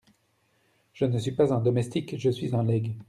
Je ne suis pas un domestique, je suis un legs…